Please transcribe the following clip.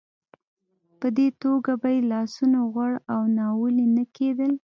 په دې توګه به یې لاسونه غوړ او ناولې نه کېدل.